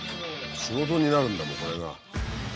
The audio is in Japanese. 仕事になるんだこれが。